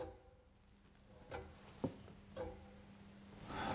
はあ。